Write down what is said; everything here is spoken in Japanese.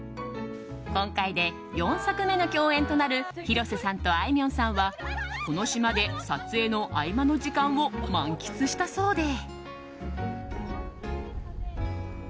今回で４作目の共演となる広瀬さんとあいみょんさんはこの島で撮影の合間の時間を満喫したそうで。